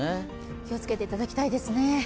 気をつけていただきたいですね。